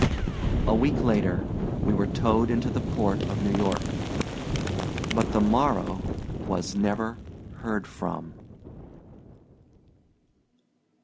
A week later we were towed into the port of New York. But the Morrow was never heard from.